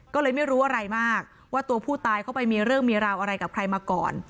ก็เลยไม่รู้อะไรมากว่าตัวผู้ตายเข้าไปมีเรื่องมีราวอะไรกับใครมาก่อน